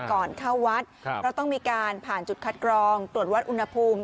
ก่อนเข้าวัดเพราะต้องมีการผ่านจุดคัดกรองตรวจวัดอุณหภูมิ